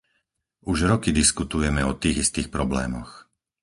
Už roky diskutujeme o tých istých problémoch.